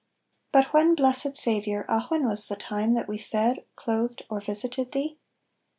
But when, blessed Saviour, ah when was the time, That we fed, clothed, or visited thee?